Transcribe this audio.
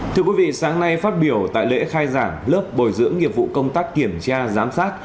thưa quý vị sáng nay phát biểu tại lễ khai giảng lớp bồi dưỡng nghiệp vụ công tác kiểm tra giám sát